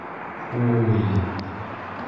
Уй?!